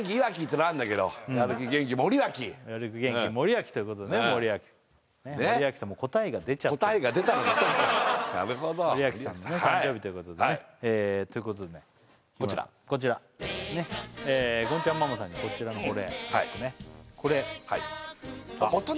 なるほど森脇さんの誕生日ということでねということでねこちらこちらねっゴンちゃんママさんにはこちらのこれこれはい